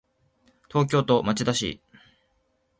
東京都町田市